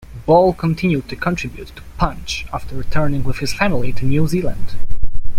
Ball continued to contribute to "Punch" after returning with his family to New Zealand.